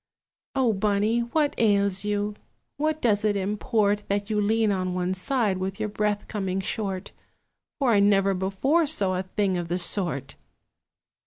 "O Bunny, what ails you? What does it import That you lean on one side, with your breath coming short? For I never before saw a thing of the sort!"